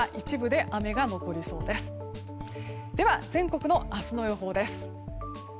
では、全国の明日の予報です。